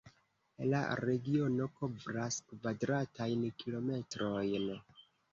La regiono kovras kvadratajn kilometrojn.